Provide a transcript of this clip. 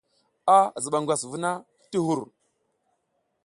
A ziɓa ngwas vuna ti hur.